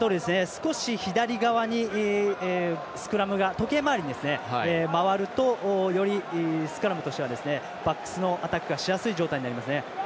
少し左側にスクラムが、時計回りに回るとよりスクラムとしてはバックスのアタックがしやすい状態になりますね。